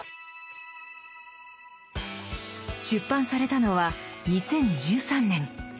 出版されたのは２０１３年。